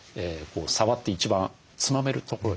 触って一番つまめるところですね。